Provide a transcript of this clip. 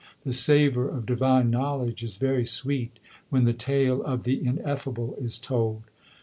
The savour of divine knowledge is very sweet when the tale of the Ineffable is told.